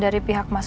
ya jadi yang iya tuh